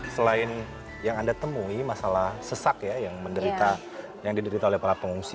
selain yang anda temui masalah sesak ya yang diderita oleh para pengungsi